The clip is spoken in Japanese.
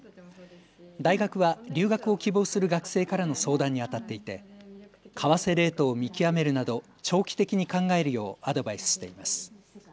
大学は留学を希望する学生からの相談にあたっていて為替レートを見極めるなど長期的に考えるようアドバイスしています。